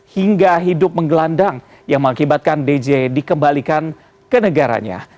hingga hidup menggelandang yang mengakibatkan dj dikembalikan ke negaranya